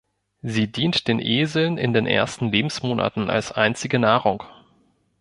Sie dient den Eseln in den ersten Lebensmonaten als einzige Nahrung.